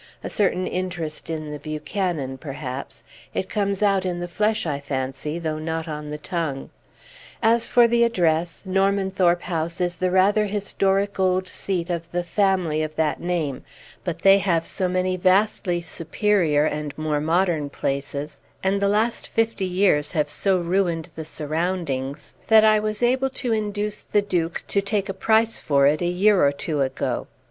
A certain interest in the Buchanan, perhaps; it comes out in the flesh, I fancy, though not on the tongue. As for the address, Normanthorpe House is the rather historic old seat of the family of that name; but they have so many vastly superior and more modern places, and the last fifty years have so ruined the surroundings, that I was able to induce the Duke to take a price for it a year or two ago.